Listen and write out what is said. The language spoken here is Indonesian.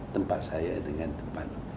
tempat saya dengan tempat